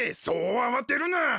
そうあわてるな。